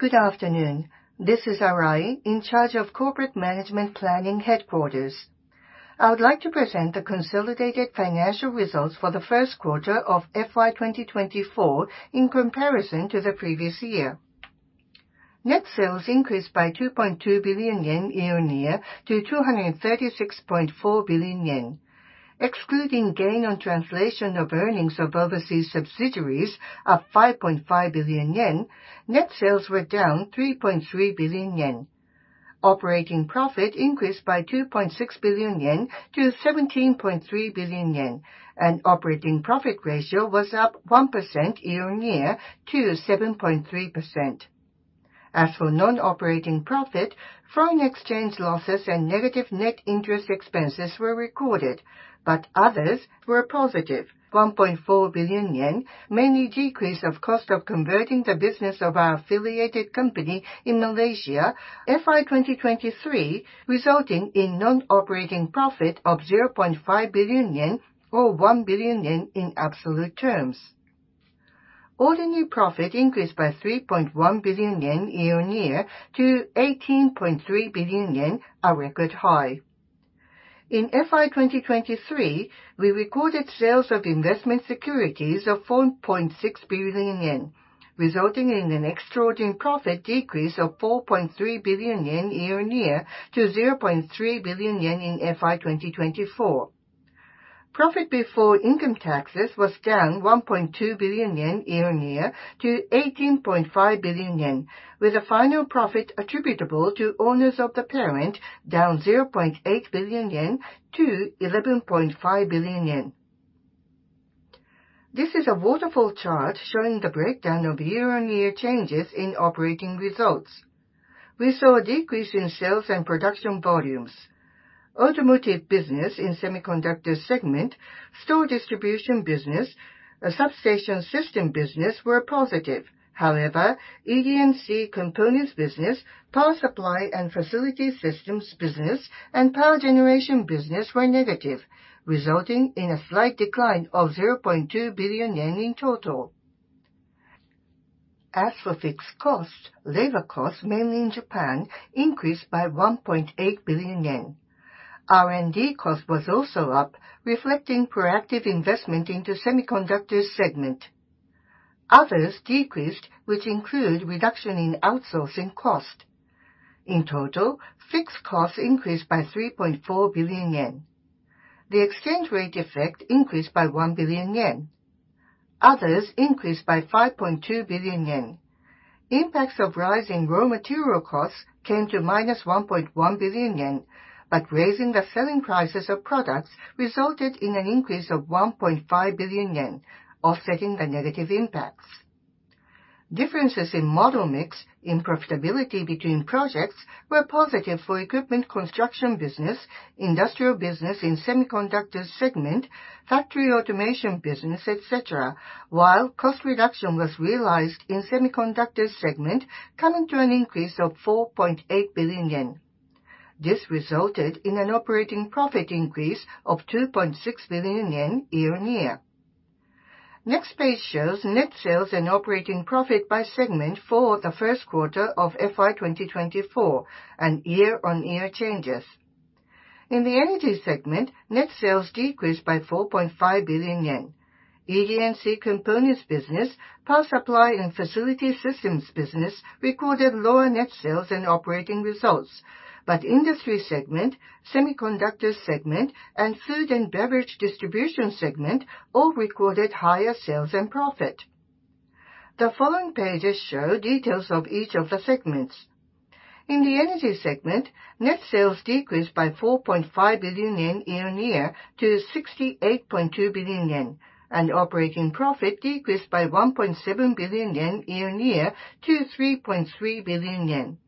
Good afternoon. This is Arai, in charge of Corporate Management Planning Headquarters. I would like to present the consolidated financial results for the first quarter of FY 2024 in comparison to the previous year. Net sales increased by 2.2 billion yen year-on-year to 236.4 billion yen. Excluding gain on translation of earnings of overseas subsidiaries of 5.5 billion yen, net sales were down 3.3 billion yen. Operating profit increased by 2.6 billion yen to 17.3 billion yen, and operating profit ratio was up 1% year-on-year to 7.3%. As for non-operating profit, foreign exchange losses and negative net interest expenses were recorded, but others were positive: 1.4 billion yen, mainly decrease of cost of converting the business of our affiliated company in Malaysia. FY 2023 resulted in non-operating profit of 0.5 billion yen or 1 billion yen in absolute terms. Ordinary profit increased by 3.1 billion yen year-on-year to 18.3 billion yen, a record high. In FY 2023, we recorded sales of investment securities of 4.6 billion yen, resulting in an extraordinary profit decrease of 4.3 billion yen year-on-year to 0.3 billion yen in FY 2024. Profit before income taxes was down 1.2 billion yen year-on-year to 18.5 billion yen, with a final profit attributable to owners of the parent down 0.8 billion yen to 11.5 billion yen. This is a waterfall chart showing the breakdown of year-on-year changes in operating results. We saw a decrease in sales and production volumes. Automotive business in Semiconductor segment, Store Distribution business, and Substation System business were positive. However, ED&C Components business, Power Supply and Facility Systems business, and Power Generation business were negative, resulting in a slight decline of 0.2 billion yen in total. As for fixed costs, labor costs, mainly in Japan, increased by 1.8 billion yen. R&D cost was also up, reflecting proactive investment into Semiconductor segment. Others decreased, which include reduction in outsourcing cost. In total, fixed costs increased by 3.4 billion yen. The exchange rate effect increased by 1 billion yen. Others increased by 5.2 billion yen. Impacts of rising raw material costs came to -1.1 billion yen, but raising the selling prices of products resulted in an increase of 1.5 billion yen, offsetting the negative impacts. Differences in model mix in profitability between projects were positive for Equipment Construction business, Industrial business in Semiconductor segment, Factory Automation business, etc., while cost reduction was realized in Semiconductor segment, coming to an increase of 4.8 billion yen. This resulted in an operating profit increase of 2.6 billion yen year-on-year. Next page shows net sales and operating profit by segment for the first quarter of FY 2024 and year-on-year changes. In the Energy segment, net sales decreased by 4.5 billion yen. ED&C Components business, Power Supply and Facility Systems business recorded lower net sales and operating results, but Industry segment, Semiconductor segment, and Food and Beverage Distribution segment all recorded higher sales and profit. The following pages show details of each of the segments. In the Energy segment, net sales decreased by 4.5 billion yen year-on-year to 68.2 billion yen, and operating profit decreased by 1.7 billion yen year-on-year to 3.3 billion yen.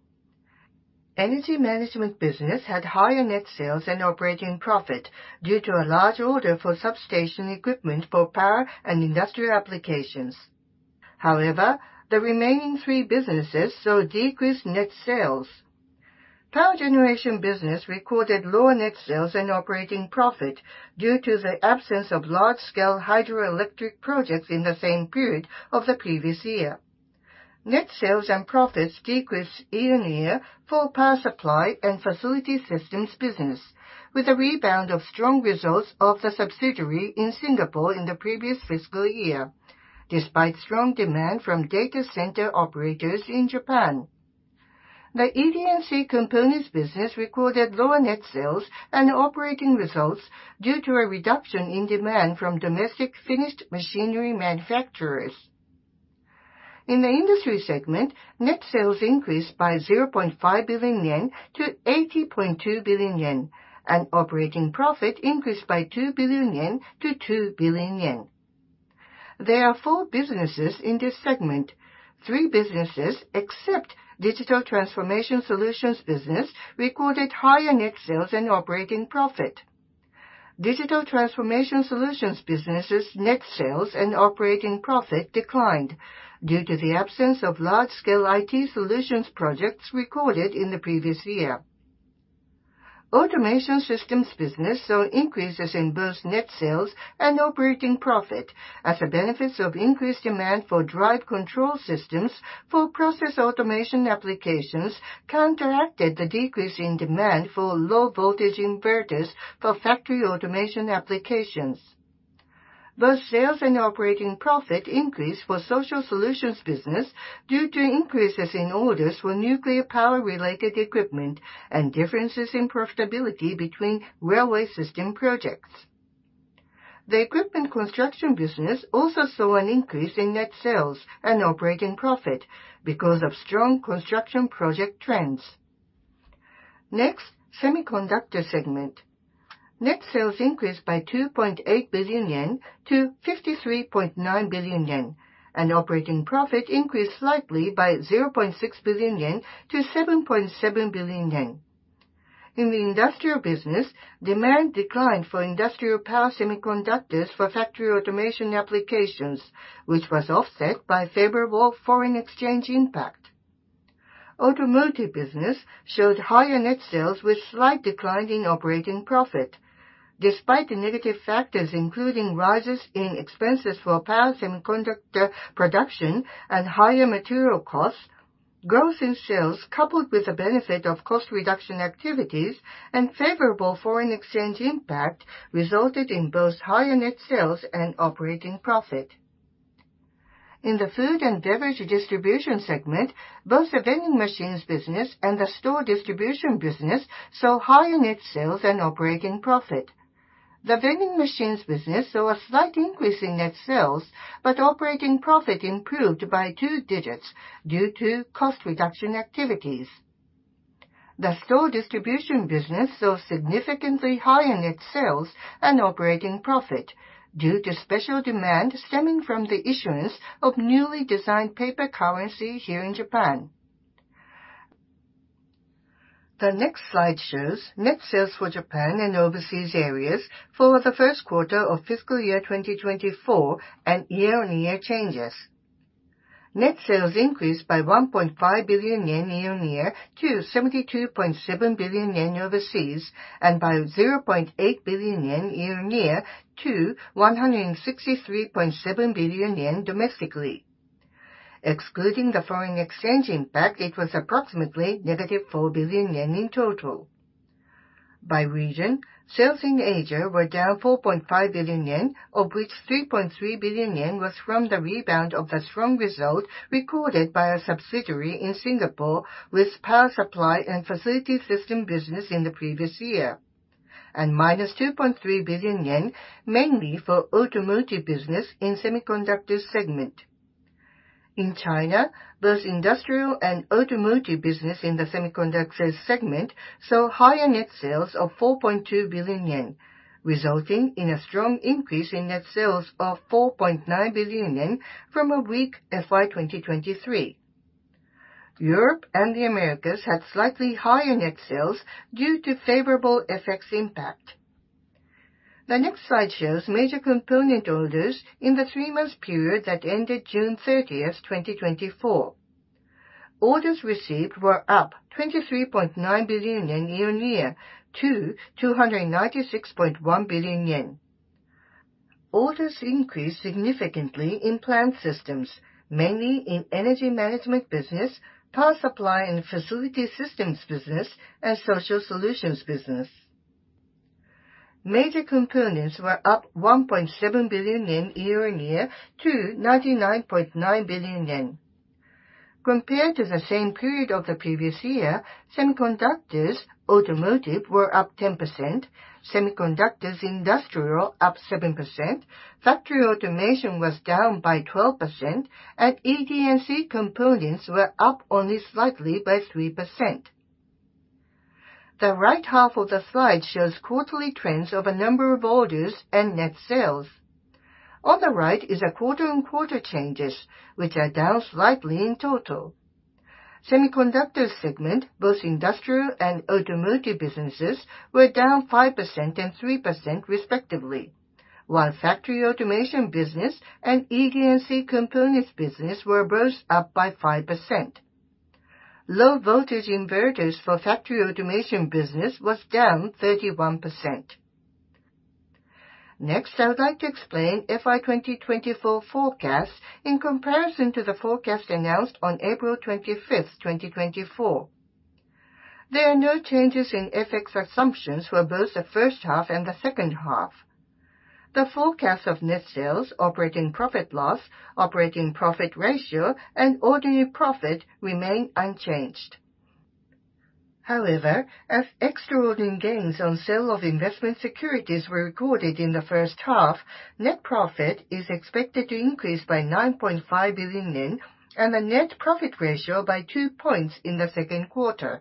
Energy Management business had higher net sales and operating profit due to a large order for substation equipment for power and industrial applications. However, the remaining three businesses saw decreased net sales. Power Generation business recorded lower net sales and operating profit due to the absence of large-scale hydroelectric projects in the same period of the previous year. Net sales and profits decreased year-on-year for Power Supply and Facility Systems business, with a rebound of strong results of the subsidiary in Singapore in the previous fiscal year, despite strong demand from data center operators in Japan. The ED&C Components business recorded lower net sales and operating results due to a reduction in demand from domestic finished machinery manufacturers. In the Industry segment, net sales increased by 0.5 billion yen to 80.2 billion yen, and operating profit increased by 2 billion yen to 2 billion yen. There are four businesses in this segment. Three businesses, except Digital Transformation Solutions business, recorded higher net sales and operating profit. Digital Transformation Solutions business's net sales and operating profit declined due to the absence of large-scale IT solutions projects recorded in the previous year. Automation Systems business saw increases in both net sales and operating profit, as the benefits of increased demand for drive control systems for process automation applications counteracted the decrease in demand for low-voltage inverters for factory automation applications. Both sales and operating profit increased for Social Solutions business due to increases in orders for nuclear power-related equipment and differences in profitability between railway system projects. The Equipment Construction business also saw an increase in net sales and operating profit because of strong construction project trends. Next, Semiconductor segment. Net sales increased by 2.8 billion yen to 53.9 billion yen, and operating profit increased slightly by 0.6 billion yen to 7.7 billion yen. In the Industrial business, demand declined for industrial power semiconductors for factory automation applications, which was offset by favorable foreign exchange impact. Automotive business showed higher net sales with slight decline in operating profit. Despite the negative factors including rises in expenses for power semiconductor production and higher material costs, growth in sales coupled with the benefit of cost reduction activities and favorable foreign exchange impact resulted in both higher net sales and operating profit. In the Food and Beverage Distribution segment, both the Vending Machines business and the Store Distribution business saw higher net sales and operating profit. The Vending Machines business saw a slight increase in net sales, but operating profit improved by two digits due to cost reduction activities. The Store Distribution business saw significantly higher net sales and operating profit due to special demand stemming from the issuance of newly designed paper currency here in Japan. The next slide shows net sales for Japan and overseas areas for the first quarter of fiscal year 2024 and year-on-year changes. Net sales increased by 1.5 billion yen year-on-year to 72.7 billion yen overseas and by 0.8 billion yen year-on-year to 163.7 billion yen domestically. Excluding the foreign exchange impact, it was approximately negative 4 billion yen in total. By region, sales in Asia were down 4.5 billion yen, of which 3.3 billion yen was from the rebound of the strong result recorded by a subsidiary in Singapore with Power Supply and Facility System business in the previous year, and minus 2.3 billion yen mainly for Automotive business in Semiconductor segment. In China, both industrial and Automotive business in the Semiconductor segment saw higher net sales of 4.2 billion yen, resulting in a strong increase in net sales of 4.9 billion yen from a weak FY 2023. Europe and the Americas had slightly higher net sales due to favorable effect FX impact. The next slide shows major component orders in the three-month period that ended June 30th, 2024. Orders received were up 23.9 billion yen year-on-year to 296.1 billion yen. Orders increased significantly in plant systems, mainly in Energy Management business, Power Supply and Facility Systems business, and Social Solutions business. Major components were up 1.7 billion yen year-on-year to 99.9 billion yen. Compared to the same period of the previous year, Semiconductors Automotive were up 10%, Semiconductors Industrial up 7%, Factory Automation was down by 12%, and ED&C Components were up only slightly by 3%. The right half of the slide shows quarterly trends of a number of orders and net sales. On the right is a quarter-on-quarter changes, which are down slightly in total. Semiconductor segment, both industrial and automotive businesses, were down 5% and 3% respectively, while Factory Automation business and ED&C Components business were both up by 5%. Low-voltage inverters for Factory Automation business was down 31%. Next, I would like to explain FY 2024 forecasts in comparison to the forecast announced on April 25th, 2024. There are no changes in FX assumptions for both the first half and the second half. The forecasts of net sales, operating profit/loss, operating profit ratio, and ordinary profit remain unchanged. However, as extraordinary gains on sale of investment securities were recorded in the first half, net profit is expected to increase by 9.5 billion yen and the net profit ratio by two points in the second quarter.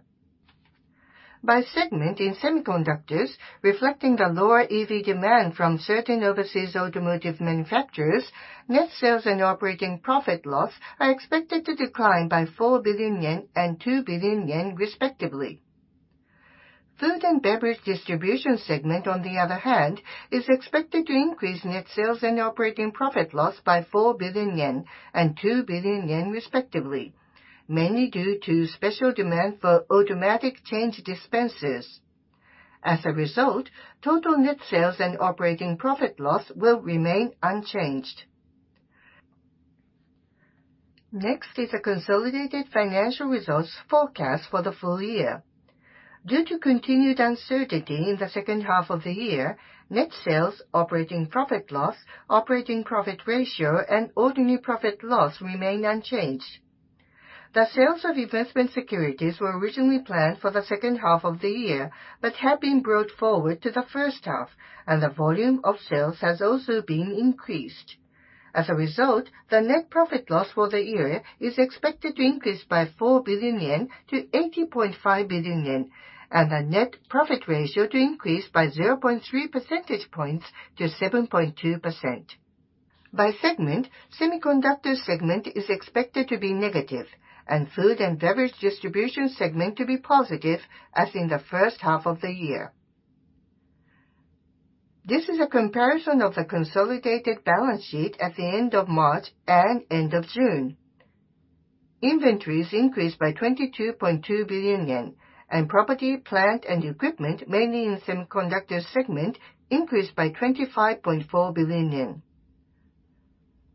By segment in Semiconductors, reflecting the lower EV demand from certain overseas automotive manufacturers, net sales and operating profit/loss are expected to decline by 4 billion yen and 2 billion yen respectively. Food and Beverage Distribution segment, on the other hand, is expected to increase net sales and operating profit/loss by 4 billion yen and 2 billion yen respectively, mainly due to special demand for automatic change dispensers. As a result, total net sales and operating profit/loss will remain unchanged. Next is a consolidated financial results forecast for the full year. Due to continued uncertainty in the second half of the year, net sales, operating profit/loss, operating profit ratio, and ordinary profit/loss remain unchanged. The sales of investment securities were originally planned for the second half of the year but have been brought forward to the first half, and the volume of sales has also been increased. As a result, the net profit/loss for the year is expected to increase by 4 billion yen to 80.5 billion yen, and the net profit ratio to increase by 0.3 percentage points to 7.2%. By segment, Semiconductor segment is expected to be negative, and Food and Beverage Distribution segment to be positive as in the first half of the year. This is a comparison of the consolidated balance sheet at the end of March and end of June. Inventories increased by 22.2 billion yen, and property, plant, and equipment, mainly in Semiconductor segment, increased by 25.4 billion yen.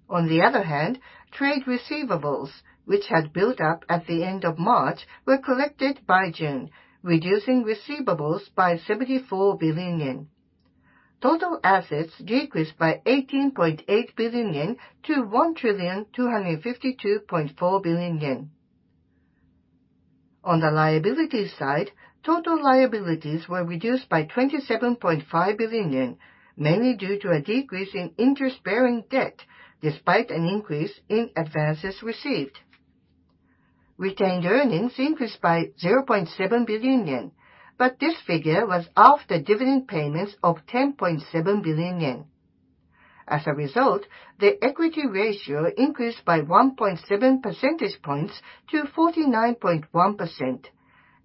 On the other hand, trade receivables, which had built up at the end of March, were collected by June, reducing receivables by 74 billion yen. Total assets decreased by 18.8 billion yen to 1,252.4 billion yen. On the liabilities side, total liabilities were reduced by 27.5 billion yen, mainly due to a decrease in interest-bearing debt despite an increase in advances received. Retained earnings increased by 0.7 billion yen, but this figure was after dividend payments of 10.7 billion yen. As a result, the equity ratio increased by 1.7 percentage points to 49.1%.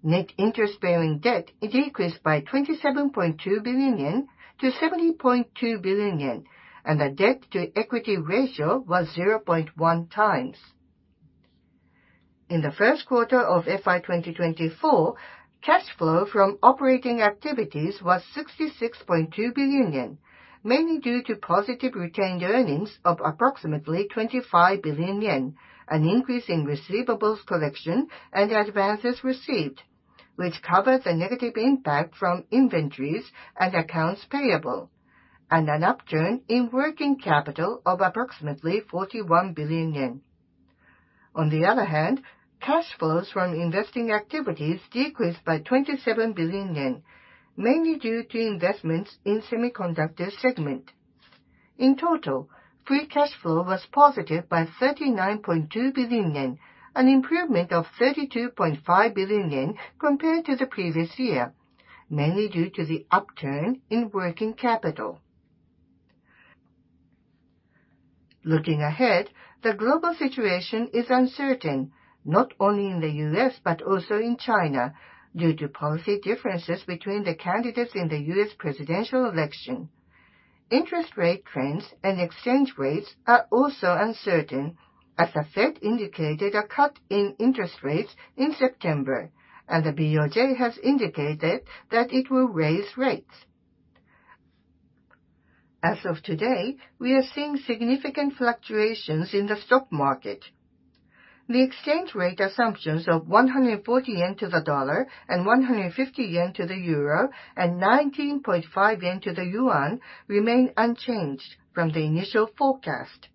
Net interest-bearing debt decreased by 27.2 billion yen to 70.2 billion yen, and the debt-to-equity ratio was 0.1x. In the first quarter of FY 2024, cash flow from operating activities was 66.2 billion yen, mainly due to positive retained earnings of approximately 25 billion yen, an increase in receivables collection and advances received, which covered the negative impact from inventories and accounts payable, and an upturn in working capital of approximately 41 billion yen. On the other hand, cash flows from investing activities decreased by 27 billion yen, mainly due to investments in Semiconductor segment. In total, Free cash flow was positive by 39.2 billion yen, an improvement of 32.5 billion yen compared to the previous year, mainly due to the upturn in working capital. Looking ahead, the global situation is uncertain, not only in the U.S. but also in China, due to policy differences between the candidates in the U.S. presidential election. Interest rate trends and exchange rates are also uncertain, as the Fed indicated a cut in interest rates in September, and the BOJ has indicated that it will raise rates. As of today, we are seeing significant fluctuations in the stock market. The exchange rate assumptions of 140 yen to the dollar and 150 yen to the euro and 19.5 yen to the yuan remain unchanged from the initial forecast.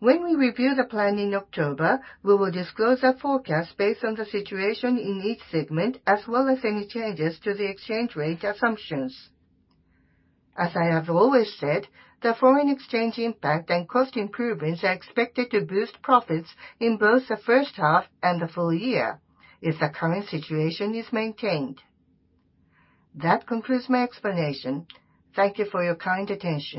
When we review the plan in October, we will disclose a forecast based on the situation in each segment as well as any changes to the exchange rate assumptions. As I have always said, the foreign exchange impact and cost improvements are expected to boost profits in both the first half and the full year if the current situation is maintained. That concludes my explanation. Thank you for your kind attention.